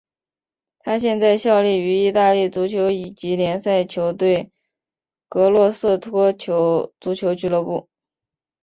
他现在效力于意大利足球乙级联赛球队格罗瑟托足球俱乐部。